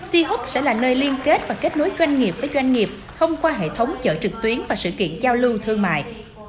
t hub sẽ là nơi liên kết và kết nối doanh nghiệp với doanh nghiệp thông qua hệ thống chở trực tuyến và sự kiện giao lưu thương mại